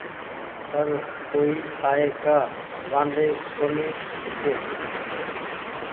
پر ڪونيٚ آئي ڪآ وآدي ڪونيٚ هيتي